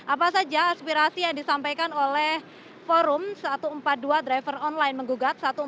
apa saja aspirasi yang disampaikan oleh forum satu ratus empat puluh dua driver online menggugat